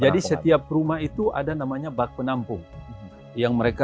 jadi setiap rumah itu ada namanya bak penampung